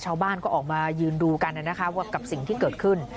ชาวบ้านก็ออกมายืนดูกันกับสิ่งที่เกิดขึ้น